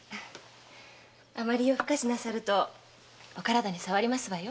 あまり夜更かしなさるとお体に障りますわよ。